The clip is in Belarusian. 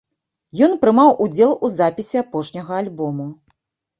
Ён прымаў удзел у запісе апошняга альбому.